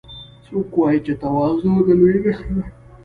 څوک وایي چې تواضع د لویۍ نښه ده